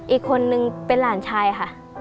อีกคนนึงเป็นหลานชายค่ะ